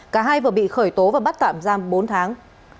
cả hai vừa bị khởi tố và bắt tạm giam bốn tháng